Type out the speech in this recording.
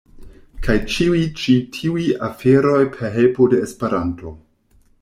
Kaj ĉiuj ĉi tiuj aferoj per helpo de Esperanto.